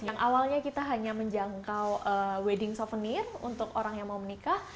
yang awalnya kita hanya menjangkau wedding souvenir untuk orang yang mau menikah